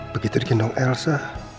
begitu di gendong elsa